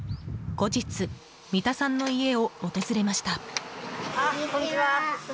後日、三田さんの家を訪れました。